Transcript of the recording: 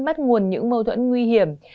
bắt nguồn những mâu thuẫn nguy hiểm